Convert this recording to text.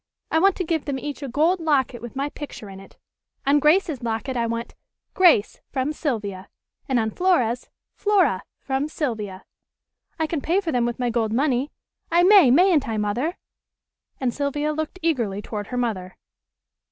I want to give them each a gold locket with my picture in it. On Grace's locket I want 'Grace from Sylvia,' and on Flora's, 'Flora from Sylvia.' I can pay for them with my gold money. I may, mayn't I, Mother?" and Sylvia looked eagerly toward her mother.